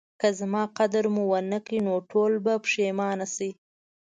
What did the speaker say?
که زما قدر مو ونکړ نو ټول به پخیمانه شئ